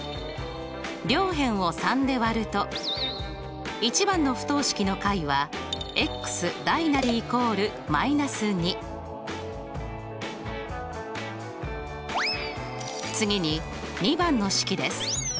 両辺を３で割ると１番の不等式の解は次に２番の式です。